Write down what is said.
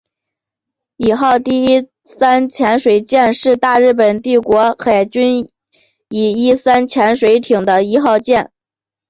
伊号第一三潜水舰是大日本帝国海军伊一三型潜水艇的一号舰。